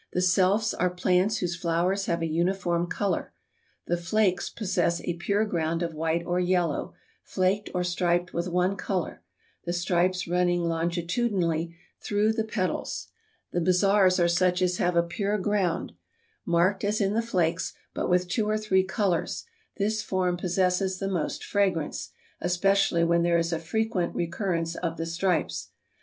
The selfs are plants whose flowers have a uniform color. The flakes possess a pure ground of white or yellow, flaked or striped with one color, the stripes running longitudinally through the petals. The bizarres are such as have a pure ground, marked as in the flakes, but with two or three colors; this form possesses the most fragrance, especially when there is a frequent recurrence of the stripes.